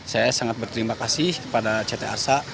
saya sangat berterima kasih kepada ct arsa